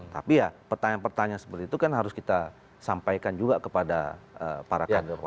tapi ya pertanyaan pertanyaan seperti itu kan harus kita sampaikan juga kepada para kader